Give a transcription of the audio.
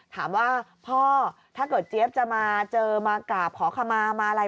ถามว่าพ่อถ้าเจ๊ฟจะมาเจอมากราบขอคำมามาอะไร